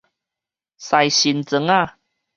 西新庄仔